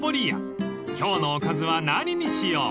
［今日のおかずは何にしよう？］